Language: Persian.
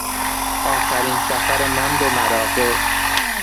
آخرین سفر من به مراغه